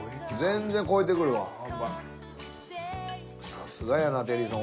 さすがやなテリーさん